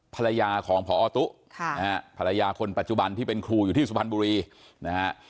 ภรรยาของพอตุ๊ภรรยาคนปัจจุบันที่เป็นครูอยู่ที่สุพรรณบุรีนะฮะ